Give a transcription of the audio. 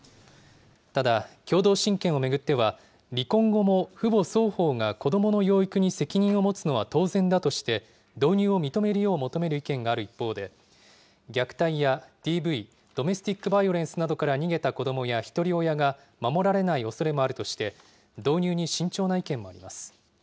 ただ、共同親権を巡っては、離婚後も父母双方が子どもの養育に責任を持つのは当然だとして、導入を認めるよう求める意見がある一方で、虐待やＤＶ・ドメスティックバイオレンスなどから逃げた子どもやひとり親が守られないおそれもあるとして、導入に慎重な意見もあります。